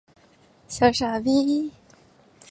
赵纾攻剿红夷刻石的历史年代为明。